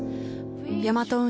ヤマト運輸